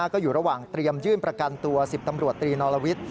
ก็อยู่ระหว่างเตรียมยื่นประกันตัว๑๐ตำรวจตรีนอลวิทย์